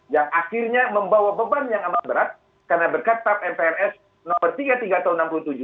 yang akhirnya membawa beban yang amat berat karena berkat tap mprs nomor tiga puluh tiga tahun seribu sembilan ratus enam puluh tujuh